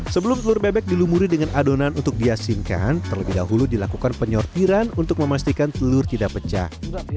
sebelum telur bebek dilumuri dengan adonan untuk diasingkan terlebih dahulu dilakukan penyortiran untuk memastikan telur tidak pecah